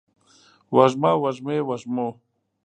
وږمه، وږمې ، وږمو